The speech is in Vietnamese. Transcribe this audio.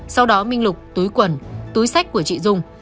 sau đó minh lục túi quần túi sách của chị dung